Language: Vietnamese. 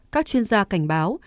các chuyên gia cảnh báo